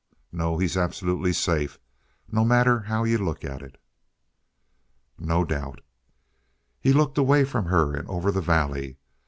No, he's absolutely safe, no matter how you look at it." "No doubt." He looked away from her and over the valley.